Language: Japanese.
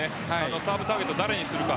サーブターゲットを誰にするか。